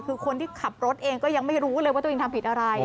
คือคนที่ขับรถเองก็ยังไม่รู้เลยว่าตัวเองทำผิดอะไร